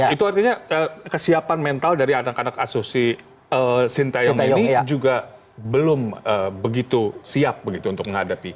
itu artinya kesiapan mental dari anak anak asusi sintayong ini juga belum begitu siap begitu untuk menghadapi